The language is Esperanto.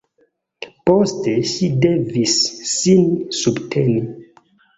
Poste, ŝi devis sin subteni.